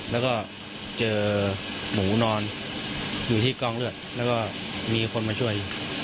แล้วก็เจอหมูนอนอยู่ที่กองเลือดแล้วก็มีคนมาช่วย